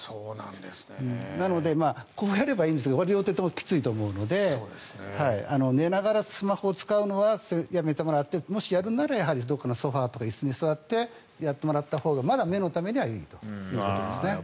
なので、こうやればいいんですが両手ともきついと思うので寝ながらスマホを使うのはやめてもらってもしやるならどこかのソファとか椅子に座ってやってもらったほうがまだ、目のためにはいいということですね。